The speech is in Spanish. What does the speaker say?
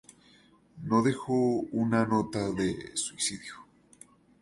No dejó una nota de suicidio.